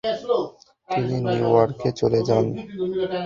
তিনি নিউ ইয়র্কে চলে যান।